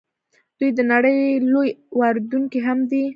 دوی د نړۍ لوی واردونکی هم دي.